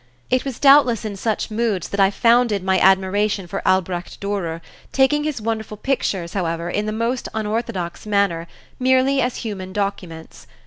It was doubtless in such moods that I founded my admiration for Albrecht Durer, taking his wonderful pictures, however, in the most unorthodox manner, merely as human documents.